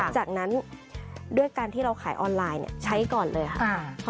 จากนั้นด้วยการที่เราขายออนไลน์ใช้ก่อนเลยค่ะ